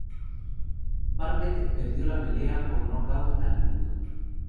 Barnett perdió la pelea por nocaut al minuto.